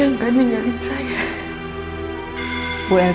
bahwa perasaan mereka sudah melupakan